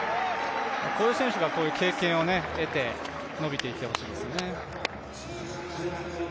こういう選手がこういう経験を得て伸びていってほしいですね。